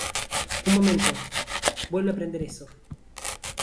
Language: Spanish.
¡ Un momento! ¡ vuelve a prender eso !